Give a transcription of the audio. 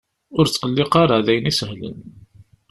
Ur ttqelliq ara! D ayen isehlen.